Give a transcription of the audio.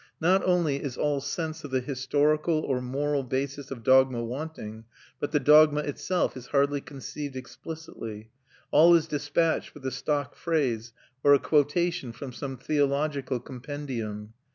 Not only is all sense of the historical or moral basis of dogma wanting, but the dogma itself is hardly conceived explicitly; all is despatched with a stock phrase, or a quotation from some theological compendium.